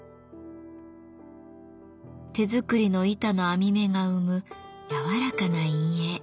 手作りの板の編み目が生む柔らかな陰影。